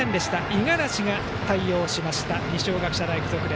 五十嵐が対応しました二松学舎大付属。